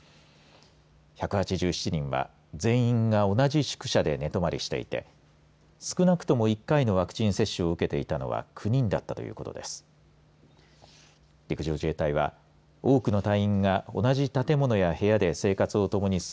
１８７人は全員が同じ宿舎で寝泊まりしていて少なくとも１回のワクチン接種を受けていたのは９人だったということです。